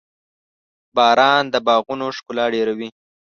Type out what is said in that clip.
• باران د باغونو ښکلا ډېروي.